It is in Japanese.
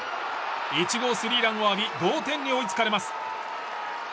１号スリーランを浴び同点に追いつかれます。